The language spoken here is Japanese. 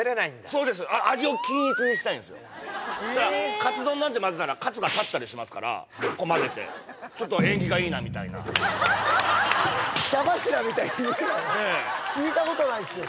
そうですカツ丼なんて混ぜたらカツが立ったりしますからこう混ぜてちょっと縁起がいいなみたいな聞いたことないっすよ